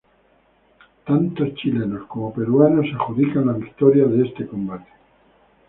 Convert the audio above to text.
Tanto chilenos como peruanos se adjudican la victoria de este combate.